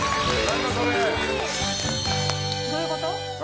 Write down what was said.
どういうこと？